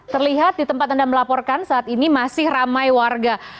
terlihat di tempat anda melaporkan saat ini masih ramai warga